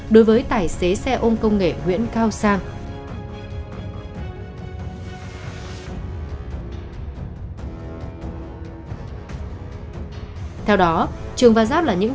đối với tài xế xe ôm công nghệ nguyễn cao sang